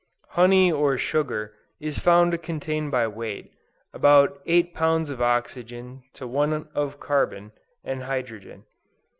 Honey or sugar is found to contain by weight, about eight pounds of oxygen to one of carbon and hydrogen.